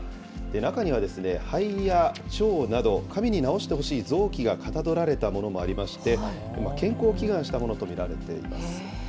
中には肺や腸など、神に治してほしい臓器がかたどられたものもありまして、健康を祈願したものと見られています。